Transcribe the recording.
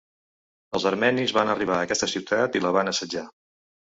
Els armenis van arribar a aquesta ciutat i la van assetjar.